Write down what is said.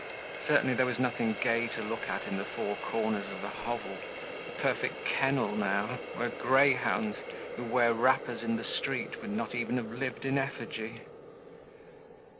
Certainly there was nothing gay to look at in the four corners of the hovel. A perfect kennel now, where greyhounds, who wear wrappers in the streets, would not even have lived in effigy.